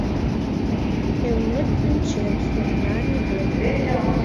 Элнет пӱнчет — сорта рӱдет: